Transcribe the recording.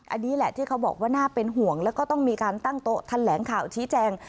อันนี้แหละที่เขาบอกว่าน่าเป็นห่วงแล้วก็ต้องมีการตั้งโต๊ะแถลงข่าวชี้แจง